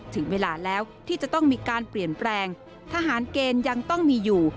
ถึงเวลาแล้วที่จะต้องมีการเปลี่ยนแปลงทหารเกณฑ์ยังต้องมีอยู่